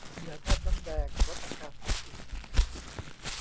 ยาธาตุน้ำแดง ลดอาการท้องอืด